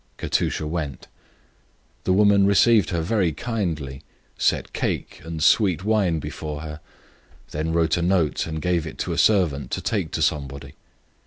Katusha went. The woman received her very kindly, set cake and sweet wine before her, then wrote a note and gave it to a servant to take to somebody.